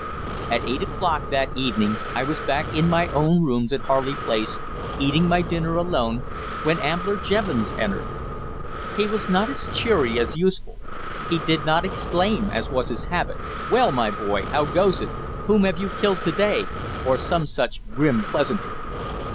At eight o'clock that evening I was back in my own rooms in Harley Place, eating my dinner alone, when Ambler Jevons entered. He was not as cheery as usual. He did not exclaim, as was his habit, "Well, my boy, how goes it? Whom have you killed to day?" or some such grim pleasantry.